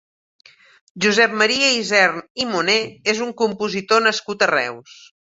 Josep Maria Isern i Monné és un compositor nascut a Reus.